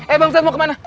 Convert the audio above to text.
eh bang ustaz mau kemana